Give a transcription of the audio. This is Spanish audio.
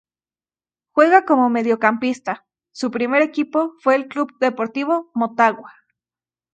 Juega como mediocampista, su primer equipo fue el Club Deportivo Motagua.